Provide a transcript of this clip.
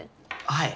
はい。